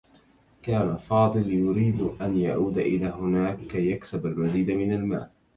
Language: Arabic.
كان فاضل يريد أن يعود إلى هناك كي يكسب المزيد من المال.